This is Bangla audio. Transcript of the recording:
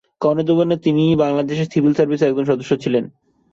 কর্মজীবনে তিনি বাংলাদেশ সিভিল সার্ভিসের একজন সদস্য ছিলেন।